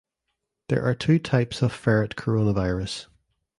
There are two types of ferret coronavirus.